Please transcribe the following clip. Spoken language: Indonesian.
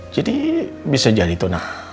jadi bisa jadi itu ma